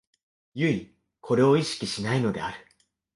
唯これを意識しないのである。